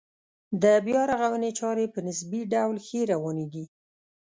د بیا رغونې چارې په نسبي ډول ښې روانې دي.